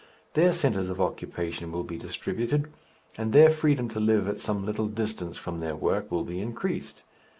Their centres of occupation will be distributed, and their freedom to live at some little distance from their work will be increased.